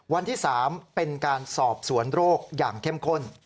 วันที่๓เป็นการสอบสวนโรคอย่างเข้มข้น